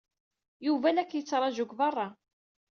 Yuba la k-yettṛaju deg beṛṛa.